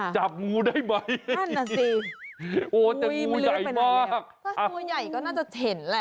จับงูได้ไหมโอ้แต่งูใหญ่มากอุ๊ยไม่รู้ได้เป็นอะไร